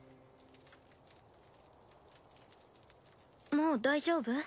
もう大丈夫？